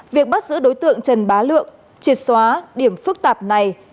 việc bắt giữ đối tượng trần bá lượng triệt xóa điểm phức tạp này